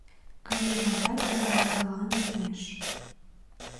Калим адак Йыландалан манеш: